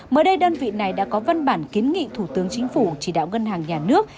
mới đây đơn vị này đã có văn bản kiến nghị thủ tướng chính phủ chỉ đạo ngân hàng nhà nước